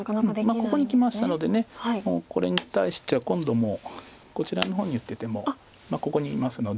ここにきましたのでこれに対しては今度もうこちらの方に打っててもまあここにいますので。